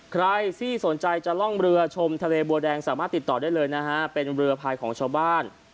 ใครที่สนใจจะล่องเรือชมทะเลบัวแดงสามารถติดต่อได้เลยนะฮะเป็นเรือพายของชาวบ้าน